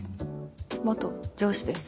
元上司です。